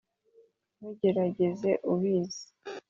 Ntugerereza ubizi